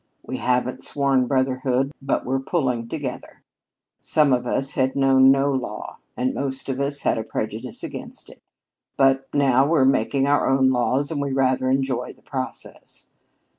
We haven't sworn brotherhood, but we're pulling together. Some of us had known no law, and most of us had a prejudice against it, but now we're making our own laws and we rather enjoy the process.